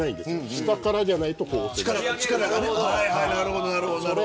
下からじゃないと押せない。